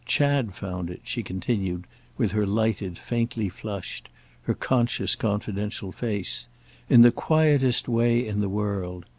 Chad found it," she continued with her lighted, faintly flushed, her conscious confidential face, "in the quietest way in the world.